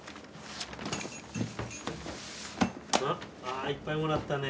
ああいっぱいもらったね。